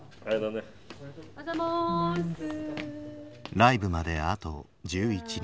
ライブまであと１１日。